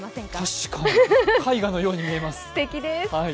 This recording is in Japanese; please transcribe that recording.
確かに、絵画のように見えます。